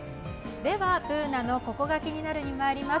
Ｂｏｏｎａの「ココがキニナル」にまいります。